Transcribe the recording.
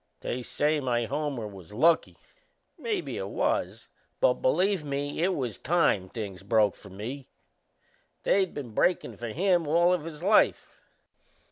They say my homer was lucky. Maybe it was; but, believe me, it was time things broke for me. They been breakin' for him all his life."